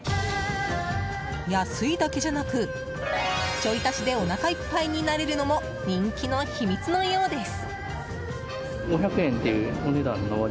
安いだけじゃなくちょい足しでおなかいっぱいになれるのも人気の秘密のようです。